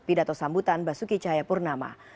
pidato sambutan basuki cahaya purnama